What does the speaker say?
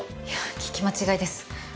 いや聞き間違いです。